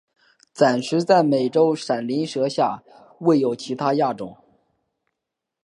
暂时在美洲闪鳞蛇下未有其它亚种。